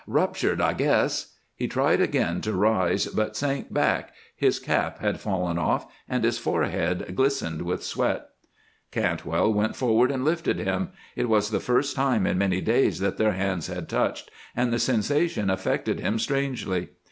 "Ruptured I guess." He tried again to rise, but sank back. His cap had fallen off and his forehead glistened with sweat. Cantwell went forward and lifted him. It was the first time in many days that their hands had touched, and the sensation affected him strangely.